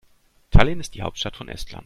Tallinn ist die Hauptstadt von Estland.